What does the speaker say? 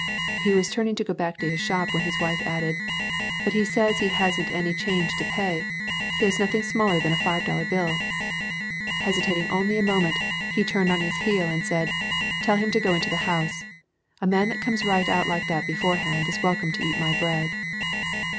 He was turning to go back to his shop, when his wife added, "But he says he has n't any change to pay. He has nothing smaller than a five dollar bill." Hesitating only a mo [ 22 ] The Cumberland Mountains ment, he turned on his heel and said, "Tell him to go into the house. A man that comes right out like that beforehand is welcome to eat my bread."